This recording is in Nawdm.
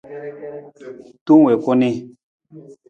Tong wii ku nii.